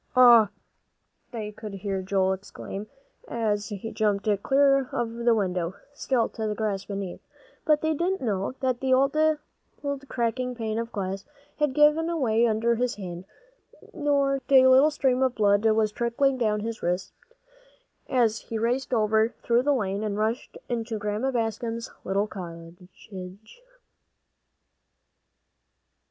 "Ugh!" they could hear Joel exclaim, as he jumped clear of the window sill to the grass beneath; but they didn't know that the old cracked pane of glass had given away under his hand, nor that a little stream of blood was trickling down his wrist, as he raced over through the lane, and rushed into Grandma Bascom's little cottage.